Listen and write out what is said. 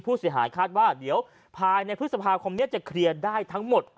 คาดว่าเดี๋ยวภายในพฤษภาคมนี้จะเคลียร์ได้ทั้งหมด